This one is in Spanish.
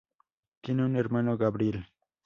Tiene un hermano, Gabriel.